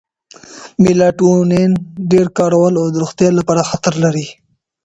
میلاټونین ډېر کارول د روغتیا لپاره خطر لري.